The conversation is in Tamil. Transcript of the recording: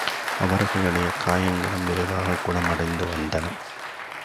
அவர்களுடைய காயங்களும் விரைவாகக் குணமடைந்து வந்தன.